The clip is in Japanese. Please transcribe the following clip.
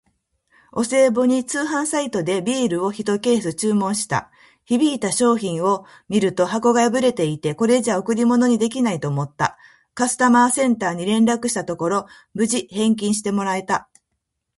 お歳暮用に通販サイトでビールをひとケース注文した。届いた商品を見ると箱が破れていて、これじゃ贈り物にできないと思った。カスタマーセンターに連絡したところ、無事返金してもらえた！